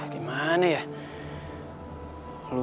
gue juga gak tau